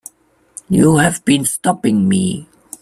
You have been stopping me.